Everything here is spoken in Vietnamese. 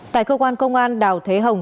tại cơ quan công an đào thế hồng